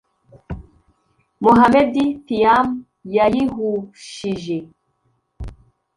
Mohamed Thiam yayihushije